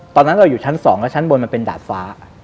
ตอนนั้นเราอยู่ชั้น๒แล้วชั้นบนมันเป็นดาดฟ้า